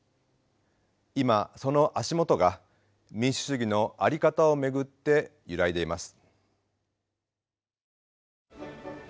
今その足元が民主主義の在り方を巡って揺らいでいます。